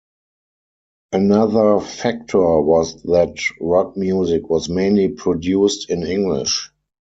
Another factor was that rock music was mainly produced in English.